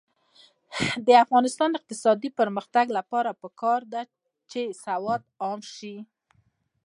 د افغانستان د اقتصادي پرمختګ لپاره پکار ده چې سواد عام شي.